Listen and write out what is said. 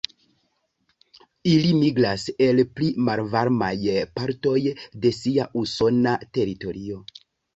Ili migras el pli malvarmaj partoj de sia usona teritorio.